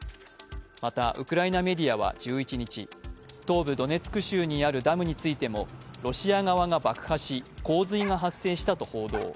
また、ウクライナメディアは１１日、東部ドネツク州にあるダムについても、ロシア側が爆破し、洪水が発生したと報道。